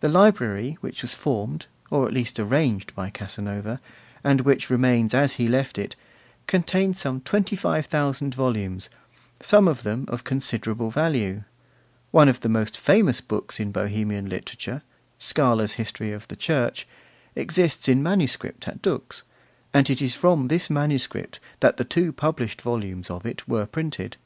The library, which was formed, or at least arranged, by Casanova, and which remains as he left it, contains some 25,000 volumes, some of them of considerable value; one of the most famous books in Bohemian literature, Skala's History of the Church, exists in manuscript at Dux, and it is from this manuscript that the two published volumes of it were printed.